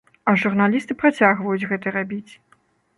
А журналісты працягваюць гэта рабіць.